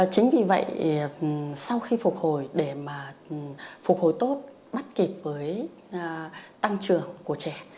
chính vì vậy sau khi phục hồi để mà phục hồi tốt bắt kịp với tăng trường của trẻ